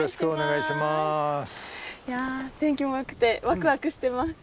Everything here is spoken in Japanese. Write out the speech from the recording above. いや天気もよくてワクワクしてます。